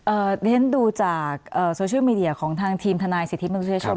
เอ่อเด้นดูจากโซเชียลมีเดียของทางทีมทนายสิทธิบังเศียชน